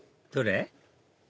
どれ？